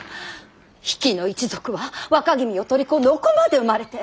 比企の一族は若君を取り込んでお子まで生まれて。